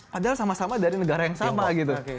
padahal sama sama dari negara yang sama gitu